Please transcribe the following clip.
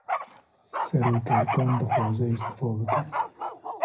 Serokerkan, dixwaze îstîfa bike